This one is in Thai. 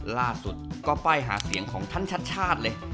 ล่าสุดก็ป้ายหาเสียงของท่านชัดชาติเลย